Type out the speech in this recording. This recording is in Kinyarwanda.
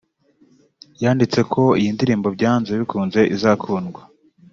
yanditse ko iyi ndirimbo byanze bikunze izakundwa